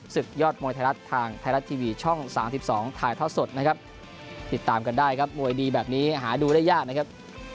ศึกยอดมวยไทยรัฐทางไทยรัฐทีวีช่อง๓๒ถ่ายทอดสดนะครับติดตามกันได้ครับมวยดีแบบนี้หาดูได้ยากนะครับ